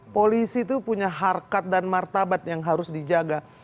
polisi itu punya harkat dan martabat yang harus dijaga